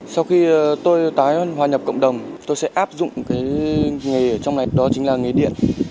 sau khi tôi tái hòa nhập cộng đồng tôi sẽ áp dụng cái nghề ở trong này đó chính là nghề điện